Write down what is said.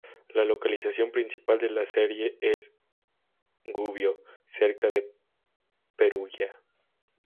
La localización principal de la serie es Gubbio, cerca de Perugia.